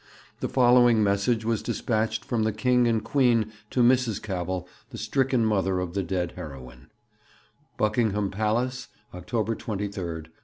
The following message was dispatched from the King and Queen to Mrs. Cavell, the stricken mother of the dead heroine: 'BUCKINGHAM PALACE, 'October 23, 1915.